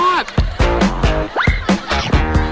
คนนั้นเตียตแปดฝา